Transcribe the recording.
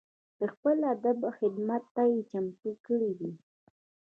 د خپل ادب خدمت ته یې چمتو کړي دي.